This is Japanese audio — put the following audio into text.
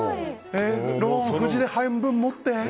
ローン、半分持って。